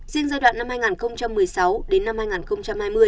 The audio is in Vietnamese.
riêng giai đoạn năm hai nghìn một mươi sáu đến năm hai nghìn hai mươi